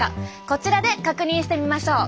こちらで確認してみましょう。